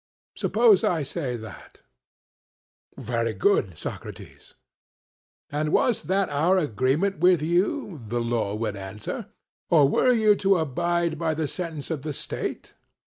Suppose I say that? CRITO: Very good, Socrates. SOCRATES: 'And was that our agreement with you?' the law would answer; 'or were you to abide by the sentence of the state?'